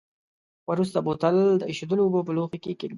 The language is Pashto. وروسته بوتل د ایشېدلو اوبو په لوښي کې کیږدئ.